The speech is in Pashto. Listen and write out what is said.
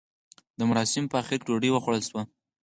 د مراسیمو په اخر کې ډوډۍ وخوړل شوه.